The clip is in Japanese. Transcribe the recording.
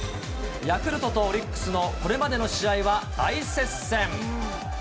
ヤクルトとオリックスのこれまでの試合は大接戦。